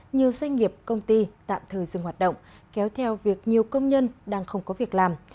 nhiều doanh nghiệp công ty tạm thời dừng hoạt động kéo theo việc nhiều công nhân đang không có việc làm